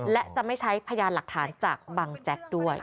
และจะไม่ใช้พยานหลักฐานจากบังแจ็คด้วย